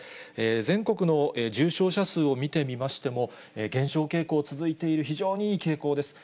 全国の重症者数を見てみましても、減少傾向続いている、非常にいい傾向です。